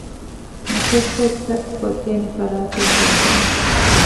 މަސައްކަތްތައް ކޮށްދޭނެ ފަރާތެއް ހޯދަން